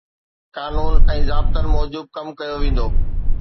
قانون ۽ ضابطن موجب ڪم ڪيو ويندو.